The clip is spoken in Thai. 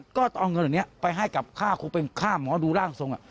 ก็เอาเงินเหล่านี้ไปให้กับค่าครูเป็นค่าหมอดูร่างทรง